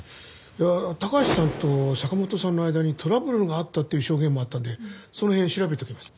いや高橋さんと坂本さんの間にトラブルがあったっていう証言もあったんでその辺調べておきます。